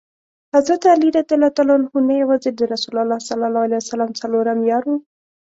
حضرت علي رض نه یوازي د حضرت رسول ص څلورم یار.